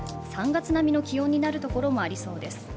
３月並みの気温になる所もありそうです。